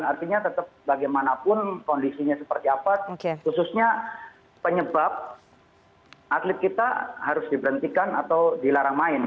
artinya tetap bagaimanapun kondisinya seperti apa khususnya penyebab atlet kita harus diberhentikan atau dilarang main